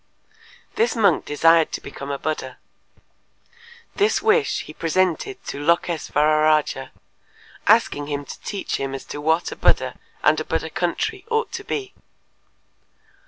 This monk desired to become a Buddha. This wish he presented to Lôkês'vararâja asking him to teach him as to what a Buddha and a Buddha country ought to be.